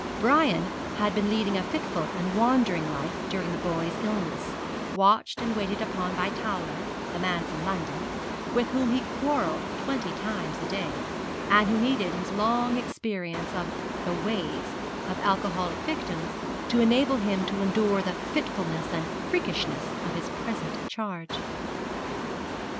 Brian had been leading a fitful and wandering life during the boy's illness, watched and waited upon by Towler, the man from London, with whom he quarrelled twenty times a day, and who needed his long experience of the "ways" of alcoholic victims to enable him to endure the fitfulness and freakishness of his present charge.